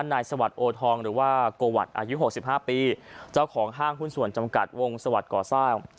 สวัสดิโอทองหรือว่าโกวัตอายุ๖๕ปีเจ้าของห้างหุ้นส่วนจำกัดวงสวัสดิ์ก่อสร้าง